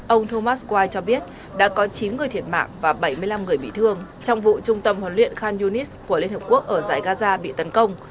ông thomas wide cho biết đã có chín người thiệt mạng và bảy mươi năm người bị thương trong vụ trung tâm huấn luyện khan yunis của liên hợp quốc ở dãy gaza bị tấn công